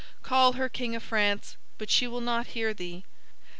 Call her, King of France, but she will not hear thee!